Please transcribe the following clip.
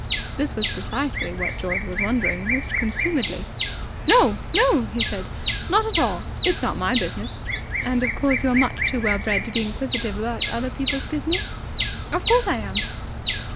This was precisely what George was wondering most consumedly. "No, no," he said. "Not at all. It's not my business." "And of course you're much too well bred to be inquisitive about other people's business?" "Of course I am.